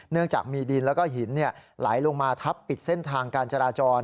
เนื่องจากมีดินแล้วก็หินไหลลงมาทับปิดเส้นทางการจราจร